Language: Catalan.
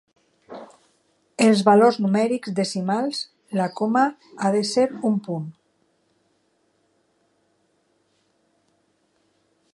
Els valors numèrics decimals, la coma ha de ser un punt.